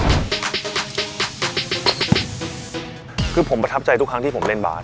ก็คือผมประทับใจทุกครั้งผมรีบประจัดบาท